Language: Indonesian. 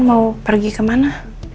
mau pergi kemana